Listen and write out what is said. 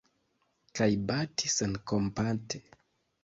Kaj bati senkompate!